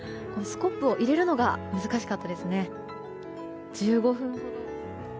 スコップを入れるのが難しかったですね。